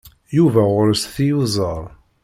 Yuba ɣur-s tiyuzaḍ.